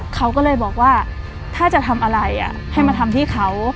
เขาก็เลยบอกว่าถ้าจะทำอะไรให้มาทำที่เขา